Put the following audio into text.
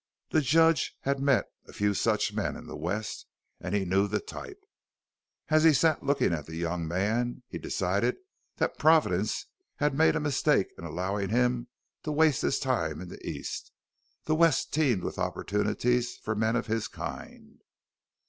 The judge had met a few such men in the West and he knew the type. As he sat looking at the young man he decided that Providence had made a mistake in allowing him to waste his time in the East. The West teemed with opportunities for men of his kind.